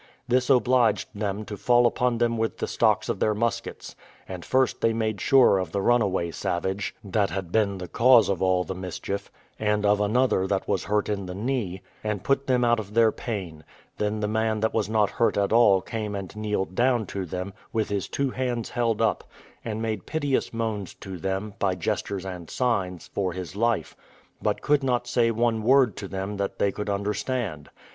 This obliged them to fall upon them with the stocks of their muskets; and first they made sure of the runaway savage, that had been the cause of all the mischief, and of another that was hurt in the knee, and put them out of their pain; then the man that was not hurt at all came and kneeled down to them, with his two hands held up, and made piteous moans to them, by gestures and signs, for his life, but could not say one word to them that they could understand.